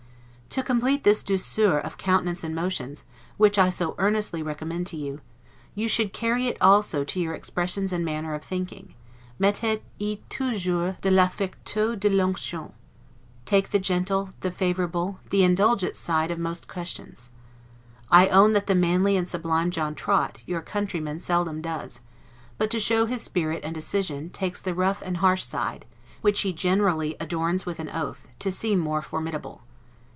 To complete this 'douceur' of countenance and motions, which I so earnestly recommend to you, you should carry it also to your expressions and manner of thinking, 'mettez y toujours de l'affectueux de l'onction'; take the gentle, the favorable, the indulgent side of most questions. I own that the manly and sublime John Trott, your countryman, seldom does; but, to show his spirit and decision, takes the rough and harsh side, which he generally adorns with an oath, to seem more formidable.